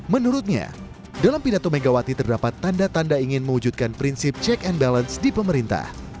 menurutnya dalam pidato megawati terdapat tanda tanda ingin mewujudkan prinsip check and balance di pemerintah